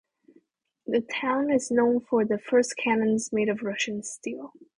The town is also known for the first cannons made of Russian steel.